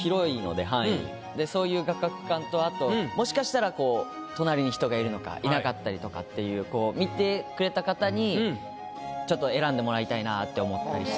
あともしかしたら隣に人がいるのかいなかったりとかっていう見てくれた方にちょっと選んでもらいたいなって思ったりして。